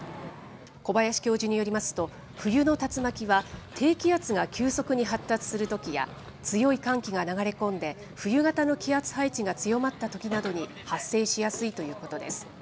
小林教授によりますと、冬の竜巻は低気圧が急速に発達するときや、強い寒気が流れ込んで、冬型の気圧配置が強まったときなどに発生しやすいということです。